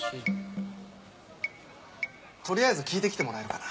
とりあえず聞いてきてもらえるかな？